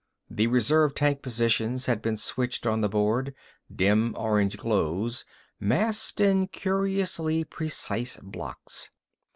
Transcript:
The reserve tank positions had been switched on the board, dim orange glows, massed in curiously precise blocks.